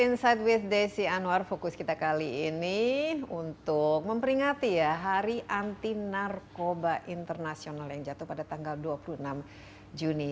insight with desi anwar fokus kita kali ini untuk memperingati ya hari anti narkoba internasional yang jatuh pada tanggal dua puluh enam juni